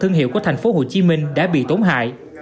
thương hiệu của thành phố hồ chí minh đã bị tổn hại